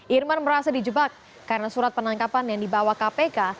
irman merasa dijebak karena surat penangkapan yang dibawa kpk